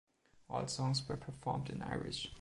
All songs were performed in Irish.